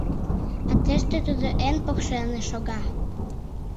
А тыште тудо эн покшелне шога.